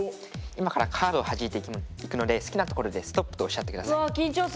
今からカードをはじいていくので好きなところでストップとおっしゃって下さい。